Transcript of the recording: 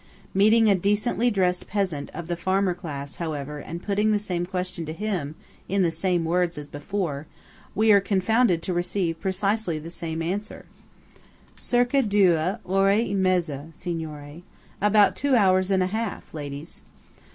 Meeting a decently dressed peasant of the farmer class, however, and putting the same question to him in the same words as before, we are confounded to receive precisely the same answer:– "Circa due ore e mezza, Signore." (About two hours and a half, ladies.)